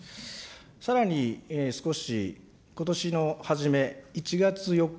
さらに、少しことしの初め、１月４日、